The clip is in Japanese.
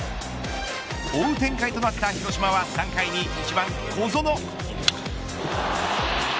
追う展開となった広島は３回に１番、小園。